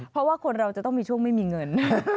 เพราะว่าคนเราจะต้องมีช่วงไม่มีเงิน